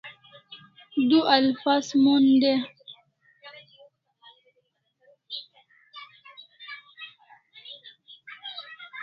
Du ilfaz mon den